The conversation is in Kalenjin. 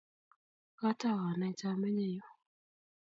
Katau anaite amenye yu.